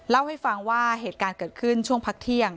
เล่าให้ฟังว่าเหตุการณ์เกิดขึ้นช่วงพักเที่ยง